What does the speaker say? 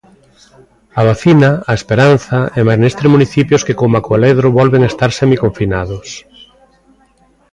A vacina, a esperanza, e máis nestes municipios que coma Cualedro volven estar semiconfinados.